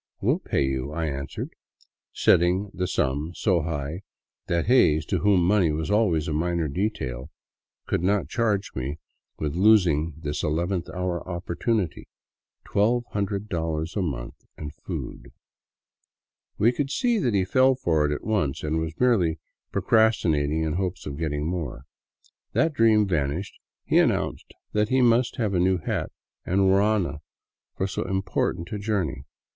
We '11 pay you," I answered, setting the sum high so that Hays, to whom money was always a minor detail, could not charge me with losing this eleventh hour opportunity, $1200 a month, and food." We could see that he " fell for it " at once, and was merely pro crastinating in the hope of getting more. That dream vanished, he announced that he must have a new hat and ruana for " so important a journey."